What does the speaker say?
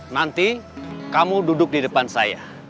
nanti kamu duduk di depan saya